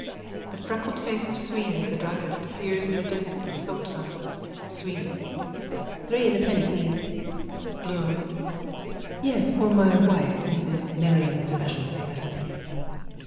(The freckled face of Sweny, the druggist, appears in the disc of the soapsun.) SWENY: Three and a penny, please. BLOOM: Yes. For my wife. Mrs Marion. Special recipe.